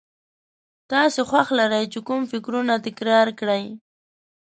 تاسې خوښه لرئ چې کوم فکرونه تکرار کړئ.